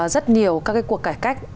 rất nhiều các cuộc cải cách